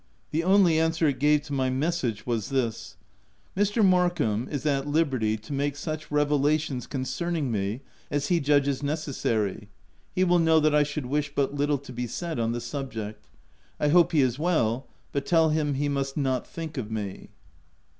The only answer it gave to my message was this :— "Mr. Markham is at liberty to make such revelations concerning me as he judges neces 216 THE TENANT sary. He will know that I should wish but little to be said on the subject. I hope he is well ; but tell him he must not think of me."